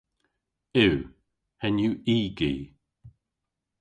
Yw. Henn yw y gi.